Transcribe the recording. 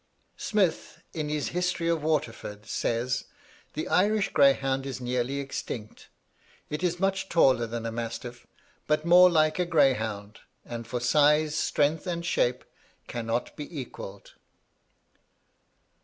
"Smith, in his 'History of Waterford,' says, 'the Irish greyhound is nearly extinct: it is much taller than a mastiff, but more like a greyhound, and for size, strength, and shape, cannot be equalled.